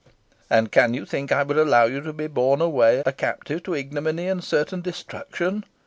"And can you think I would allow you to be borne away a captive to ignominy and certain destruction?"